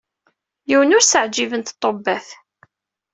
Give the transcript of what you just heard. Yiwen ur s-ɛǧibent ṭṭubbat.